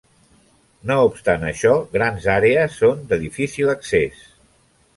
No obstant això, grans àrees són de difícil accés.